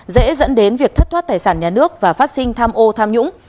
dễ dẫn đến việc thất thoát tài sản nhà nước và phát sinh tham ô tham nhũng